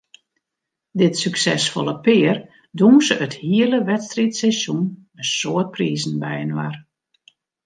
Dit suksesfolle pear dûnse it hiele wedstriidseizoen in soad prizen byinoar.